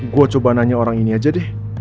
gue coba nanya orang ini aja deh